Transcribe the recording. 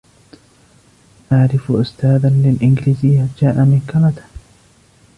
أعرف أستاذا للإنجليزية جاء من كندا.